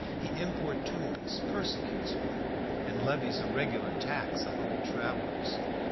He importunes, persecutes one, and levies a regular tax on all travellers.